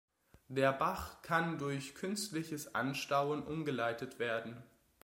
Der Bach kann durch künstliches Anstauen umgeleitet werden.